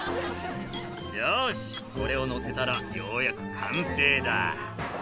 「よしこれをのせたらようやく完成だ」